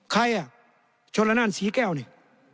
ใครอ่ะชนละนานศรีแก้วนี่